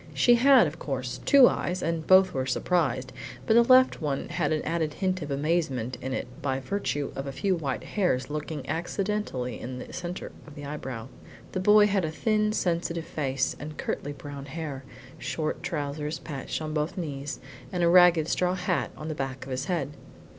She had, of course, two eyes, and both were surprised, but the left one had an added hint of amazement in it by virtue of a few white hairs lurking accidentally in the centre of the eyebrow. The boy had a thin sensitive face and curtly brown hair, short trousers patched on both knees, and a ragged straw hat on the back of his head.